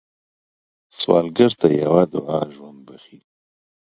سوالګر ته یوه دعا ژوند بښي